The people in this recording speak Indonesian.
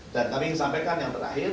dan kami ingin sampaikan yang terakhir